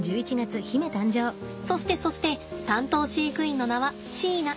そしてそして担当飼育員の名は椎名。